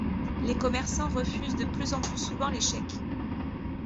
Les commerçants refusent de plus en plus souvent les chèques.